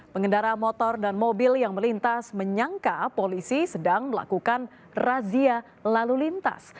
pengendara motor dan mobil yang melintas menyangka polisi sedang melakukan razia lalu lintas